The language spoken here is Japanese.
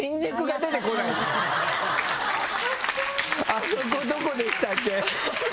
「あそこどこでしたっけ？」。